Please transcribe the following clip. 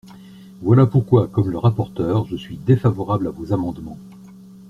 Voilà pourquoi, comme le rapporteur, je suis défavorable à vos amendements.